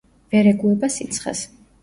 ვერ ეგუება სიცხეს.